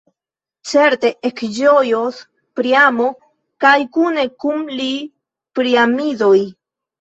Certe, ekĝojos Priamo kaj kune kun li Priamidoj.